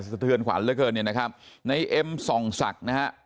สะเทือนขวัญเหลือเกินเนี่ยนะครับในเอ็มส่องศักดิ์นะฮะ